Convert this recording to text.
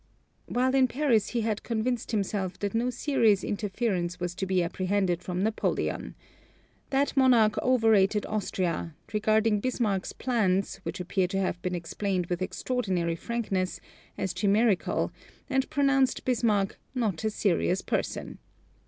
While in Paris he had convinced himself that no serious interference was to be apprehended from Napoleon. That monarch overrated Austria; regarded Bismarck's plans, which appear to have been explained with extraordinary frankness, as chimerical; and pronounced Bismarck "not a serious person."